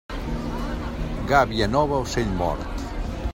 Gàbia nova, ocell mort.